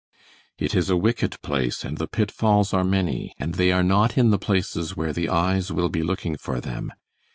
"It is a wicked place, and the pitfalls are many, and they are not in the places where the eyes will be looking for them.